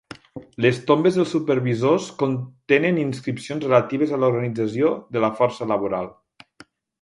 Les tombes dels supervisors contenen inscripcions relatives a l'organització de la força laboral.